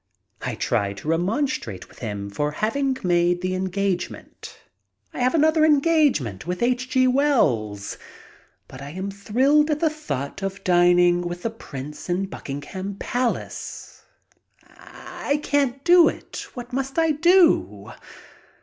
I try to remonstrate with him for having made the engagement. I have another engagement with H. G. Wells, but I am thrilled at the thought of dining with the Prince in Buckingham Palace. I can't do it. What must I do?